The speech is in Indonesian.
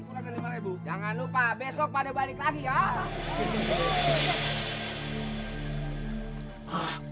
kurang lebih jangan lupa besok pada balik lagi ya